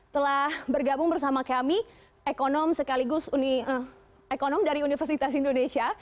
telah bergabung bersama kami ekonom sekaligus ekonom dari universitas indonesia